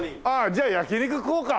じゃあ焼肉食おうか。